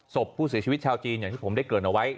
ศพผู้เสียชีวิตชาวจีนอย่างที่ผมได้เกิดเอาไว้